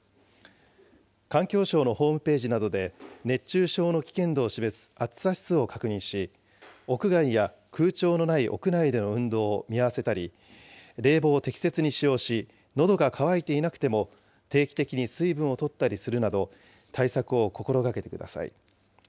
環境省のホームページなどで熱中症の危険度を示す暑さ指数を確認し、屋外や空調のない屋内での運動を見合わせたり、冷房を適切に使用し、のどが渇いていなくても定期的に水分をとったりするなど、対策を心がけてください。